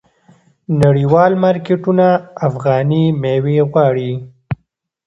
نړیوال مارکیټونه افغاني میوې غواړي.